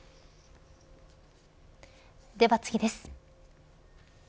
では次です。